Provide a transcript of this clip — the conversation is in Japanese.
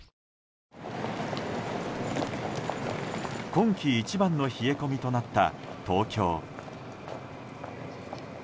今季一番の冷え込みとなった東京。